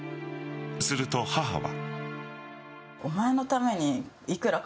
すると、母は。